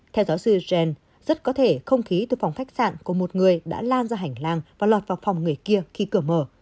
theo giáo sư gen rất có thể không khí từ phòng khách sạn của một người đã lan ra hành lang và lọt vào phòng người kia khi cửa mở